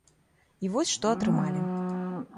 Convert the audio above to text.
І вось, што атрымалі.